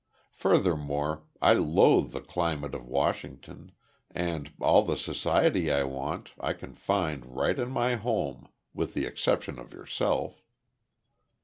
Furthermore, I loathe the climate of Washington; and all the society I want, I can find right in my home with the exception of yourself."